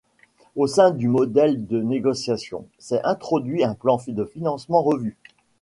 Au sein du modèle de négociation, s'est introduit un plan de financement revu.